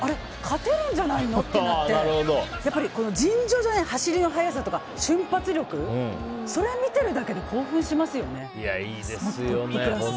勝てるんじゃないの？ってなってやっぱり尋常じゃない走りの速さとか瞬発力、それを見てるだけで興奮しますよね。